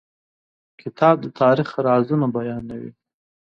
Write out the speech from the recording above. کتاب د تاریخ رازونه بیانوي.